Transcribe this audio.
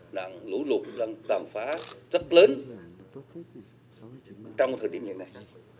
đảng lũ lụt tạm phá rất lớn trong thời điểm như thế này